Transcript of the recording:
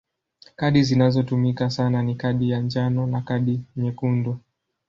Kadi zinazotumika sana ni kadi ya njano na kadi nyekundu.